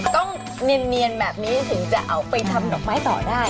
ต้องเนียนแบบนี้ถึงจะเอาไปทำดอกไม้ต่อได้